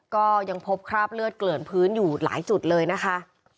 ก็ยังพบคราบเลือดเกลื่อนพื้นอยู่หลายจุดเลยนะคะ